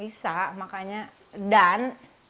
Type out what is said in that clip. bisa makanya dan